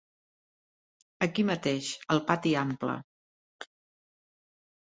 Aquí mateix, al Pati Ample.